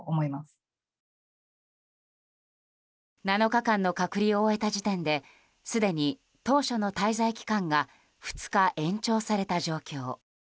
７日間の隔離を終えた時点ですでに当初の滞在期間が２日延長された状況。